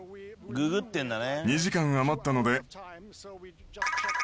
ググってるんだね。